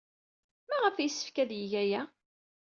Maɣef ay yessefk ad yeg aya?